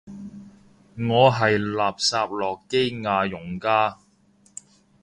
我係垃圾諾基亞用家